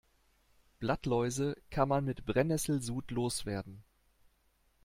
Blattläuse kann man mit Brennesselsud loswerden.